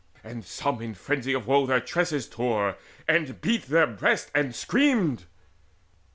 And some in frenzy of woe: Their tresses tore, and beat their breasts, and screamed.